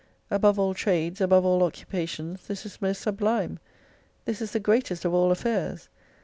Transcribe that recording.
Above all trades, above all occupations this is most sublime. This is the greatest of all affairs.